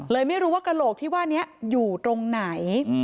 ไม่รู้ว่ากระโหลกที่ว่านี้อยู่ตรงไหน